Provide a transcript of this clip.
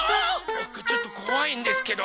ぼくちょっとこわいんですけど。